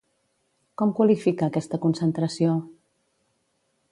Com qualifica aquesta concentració?